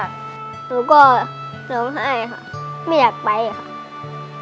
หนูก็ร้องไห้ค่ะไม่อยากไปค่ะ